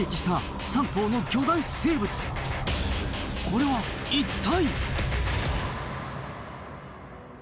これは一体。